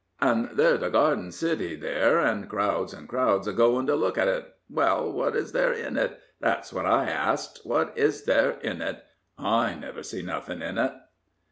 And there's the Garden City there, and crowds and crowds a going to look at it. Well, what is there in it? That's what I asts. What is there in it ? I never see nothin' in it."